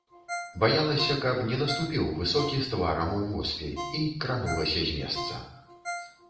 Баялася, каб не наступіў высокі з тварам у воспе, і кранулася з месца.